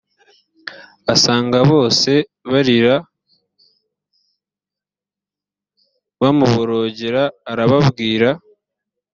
asanga bose barira bamuborogera arababwira